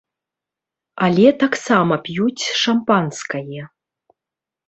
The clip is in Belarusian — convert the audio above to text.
Але таксама п'юць шампанскае.